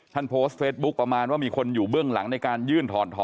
โพสต์เฟซบุ๊คประมาณว่ามีคนอยู่เบื้องหลังในการยื่นถอน